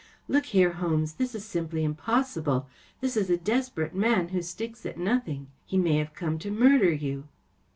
‚ÄĚ Look here, Holmes, this is simply im¬ possible. This is a desperate man, who sticks at nothing. He may have come to murder you.